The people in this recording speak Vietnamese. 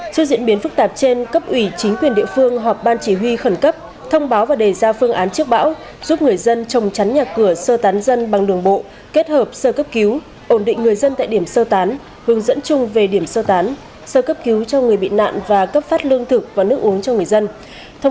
trước diễn biến phức tạp trên cấp ủy chính quyền địa phương họp ban chỉ huy khẩn cấp thông báo và đề ra phương án trước bão giúp người dân trồng chắn nhà cửa sơ tán dân bằng đường bộ kết hợp sơ cấp cứu ổn định người dân tại điểm sơ tán hướng dẫn chung về điểm sơ tán sơ cấp cứu cho người bị nạn và cấp phát lương thực và nước uống cho người dân